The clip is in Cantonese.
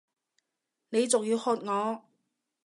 你仲要喝我！